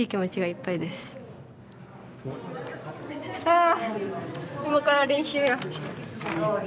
あ今から練習や。